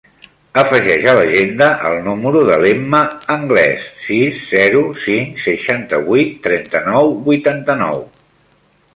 Afegeix a l'agenda el número de l'Emma Angles: sis, zero, cinc, seixanta-vuit, trenta-nou, vuitanta-nou.